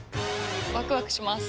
ワクワクします。